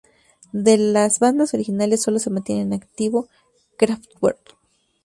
De las bandas originales, solo se mantiene en activo Kraftwerk.